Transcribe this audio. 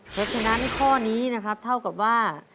เพราะฉะนั้นข้อนี้นะครับเท่ากับว่า